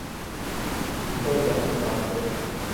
inter bank market